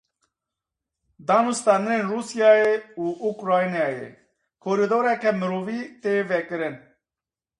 Danûstandinên Rûsya û Ukraynayê; korîdoreke mirovî tê vekirin.